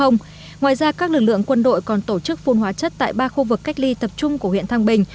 ngoài ra các lực lượng quân đội còn tổ chức phun hóa chất tại ba khu vực cách ly tập trung của huyện thăng bình